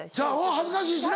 恥ずかしいしな。